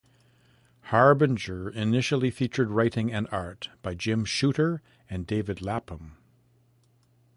"Harbinger" initially featured writing and art by Jim Shooter and David Lapham.